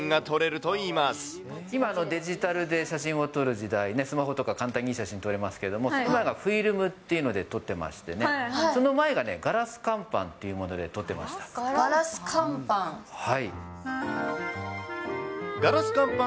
今、デジタルで写真を撮る時代ね、スマホとか簡単にいい写真撮れますけど、フィルムっていうので撮ってましてね、その前がガラス乾板っていガラス乾板。